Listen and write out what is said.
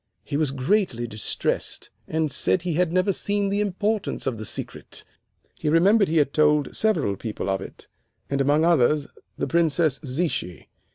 He was greatly distressed, and said he had never seen the importance of the secret. He remembered he had told several people of it, and among others the Princess Zichy.